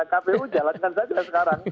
kpu jalankan saja sekarang